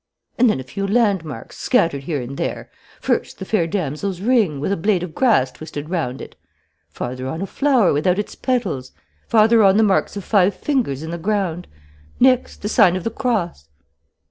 "And then a few landmarks, scattered here and there. First, the fair damsel's ring, with a blade of grass twisted round it; farther on a flower without its petals; farther on the marks of five fingers in the ground; next, the sign of the cross.'